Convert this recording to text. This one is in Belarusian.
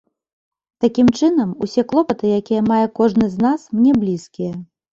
Такім чынам, усе клопаты, якія мае кожны з нас, мне блізкія.